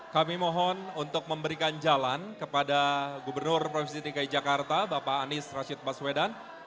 kami mohon untuk memberikan jalan kepada gubernur provinsi dki jakarta bapak anies rashid baswedan